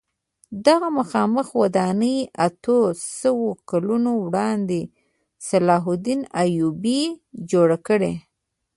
دغه مخامخ ودانۍ اتو سوو کلونو وړاندې صلاح الدین ایوبي جوړه کړې.